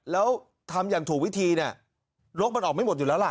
แล้วทำอย่างถูกวิธีเนี่ยรกมันออกไม่หมดอยู่แล้วล่ะ